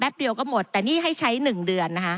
แบบเดียวก็หมดแต่นี่ให้ใช้หนึ่งเดือน